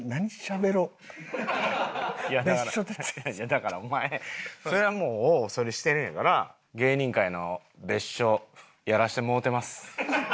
だからお前それはもうそれしてるんやから「芸人界の別所やらせてもうてます」。